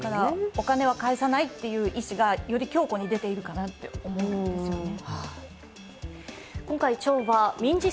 お金は返さないという意志がより強固に出ているかなという感じがしますよね。